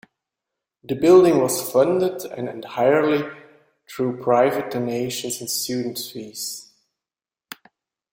The building was funded entirely through private donations and student fees.